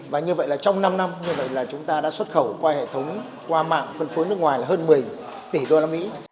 và như vậy là trong năm năm chúng ta đã xuất khẩu qua hệ thống qua mạng phân phối nước ngoài là hơn một mươi tỷ usd